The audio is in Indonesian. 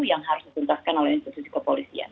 yang harus dituntaskan oleh institusi kepolisian